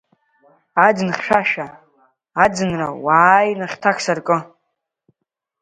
Аӡын хьшәашәа, аӡынра уааины хьҭак саркы!